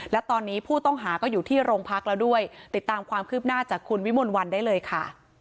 และตอนนี้ผู้ต้องหาก็อยู่ที่โรงพักแล้วด้วยติดตามความคืบหน้าจากคุณวิมลวันได้เลยค่ะ